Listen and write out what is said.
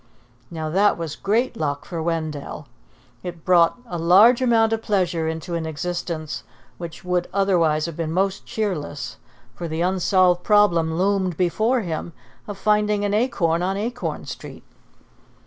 Now that was great luck for Wendell. It brought a large amount of pleasure into an existence which would otherwise have been most cheerless; for the unsolved problem loomed before him of finding an acorn on Acorn Street.